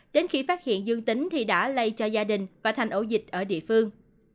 đến khi phát hiện dương tính thì đã lây cho gia đình và thành ổ dịch ở địa phương